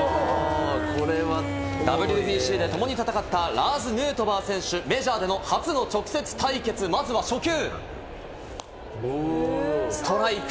ＷＢＣでともに戦ったラーズ・ヌートバー選手、メジャーでの初の直接対決、まずは初球。